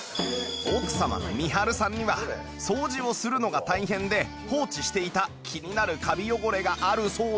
奥様のみはるさんには掃除をするのが大変で放置していた気になるカビ汚れがあるそうで